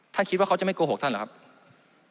คิดว่าเขาจะไม่โกหกท่านเหรอครับ